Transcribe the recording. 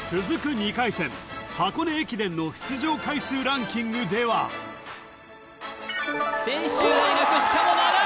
２回戦箱根駅伝の出場回数ランキングでは専修大学しかも７位！